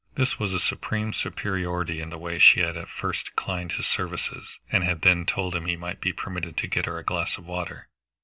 There was a supreme superiority in the way she had at first declined his services, and had then told him he might be permitted to get her a glass of water.